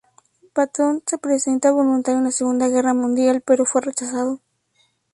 Paton se presentó voluntario en la Segunda Guerra Mundial, pero fue rechazado.